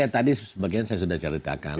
jadi tadi sebagian saya sudah ceritakan